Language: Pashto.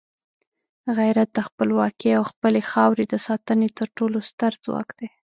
غیرت د خپلواکۍ او خپلې خاورې د ساتنې تر ټولو ستر ځواک دی.